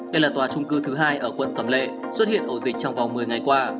đây là tòa trung cư thứ hai ở quận cẩm lệ xuất hiện ổ dịch trong vòng một mươi ngày qua